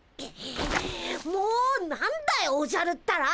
もう何だよおじゃるったら！